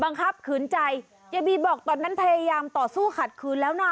ขืนใจยายบีบอกตอนนั้นพยายามต่อสู้ขัดขืนแล้วนะ